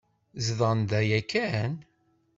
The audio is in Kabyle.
Zedɣen da yakan?